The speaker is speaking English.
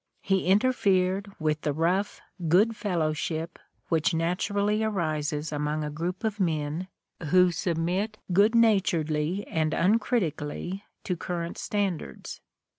He interfered with the rough geod fellowship which naturally arises among a group of men who sub mit good naturedly and uncritically to current stand ards.